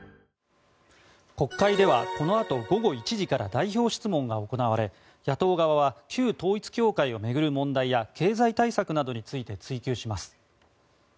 国会ではこのあと午後１時から代表質問が行われ野党側は旧統一教会を巡る問題や経済対策などについて追及します。